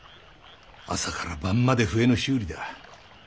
朝から晩まで笛の修理だ。